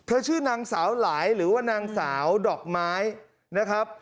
ชื่อนางสาวหลายหรือว่านางสาวดอกไม้นะครับ